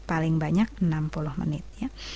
paling banyak enam puluh menit ya